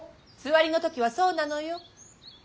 つわりの時はそうなのよ。